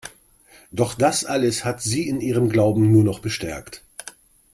Doch das alles hat sie in ihrem Glauben nur noch bestärkt.